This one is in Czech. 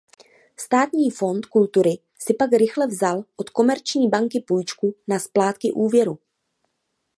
Státní fond kultury si pak rychle vzal od Komerční banky půjčku na splátky úvěru.